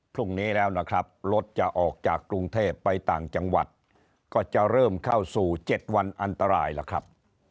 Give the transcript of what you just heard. พรุ่งนี้แล้วนะครับรถจะออกจากกรุงเทพไปต่างจังหวัดก็จะเริ่มเข้าสู่๗วันอันตรายแล้วครับ